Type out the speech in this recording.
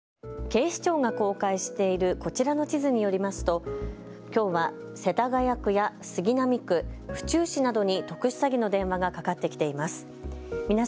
警視庁が公開しているこちらの地図によりますときょうは世田谷区や杉並区、府中市などに特殊詐欺の電話がかかってきています。